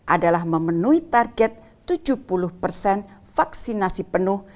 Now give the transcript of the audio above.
adalah memenuhi target tujuh puluh persen vaksinasi penuh